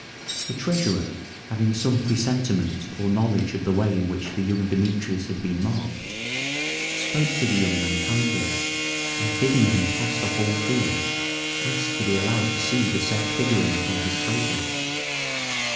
The Treasurer, having some presentiment or knowledge of the way in which the young Demetrius had been marked, spoke to the young man kindly, and bidding him cast off all fear, asked to be allowed to see the said figuring upon his shoulder.